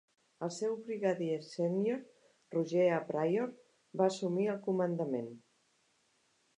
El seu brigadier sènior Roger A. Pryor va assumir el comandament